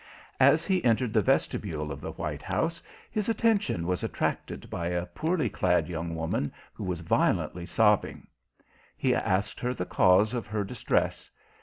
As he entered the vestibule of the White House, his attention was attracted by a poorly clad young woman who was violently sobbing. He asked her the cause of her distress.